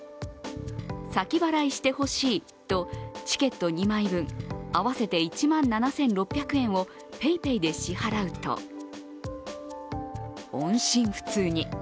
先払いしてほしいと、チケット２枚分、合わせて１万７６００円をＰａｙＰａｙで支払うと音信不通に。